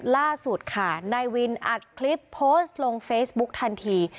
ล่าสุดค่ะนายวินอัดคลิปโพสต์ลงเฟซบุ๊กทันที